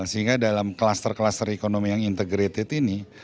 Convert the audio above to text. sehingga dalam kluster kluster ekonomi yang integrated ini